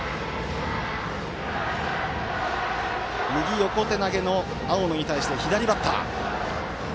右横手投げの青野に対して左バッター。